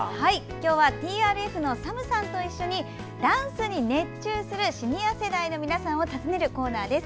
今日はＴＲＦのＳＡＭさんと一緒にダンスに熱中しているシニア世代の皆さんを訪ねるコーナーです。